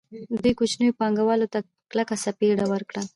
دوی کوچنیو پانګوالو ته کلکه څپېړه ورکړه